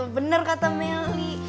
bener kata meli